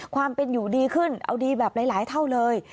ความเป็นอยู่ดีขึ้นเอาดีแบบหลายเท่าเลย